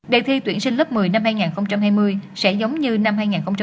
đề thi tuyển sinh lớp một mươi năm hai nghìn hai mươi sẽ giống như năm hai nghìn hai mươi một